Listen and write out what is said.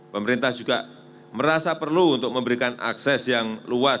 pemerintah juga merasa perlu untuk memberikan akses yang luas